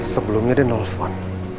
sebelumnya dia nelfon